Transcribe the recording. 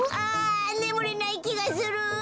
あねむれないきがする！